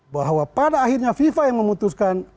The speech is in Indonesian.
bahwa pada akhirnya fifa yang memutuskan